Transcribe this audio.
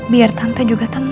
biar tante juga tenang